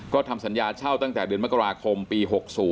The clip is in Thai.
ก็ทำสัญญาเช่าตั้งแต่เดือนมกราคมปี๖๐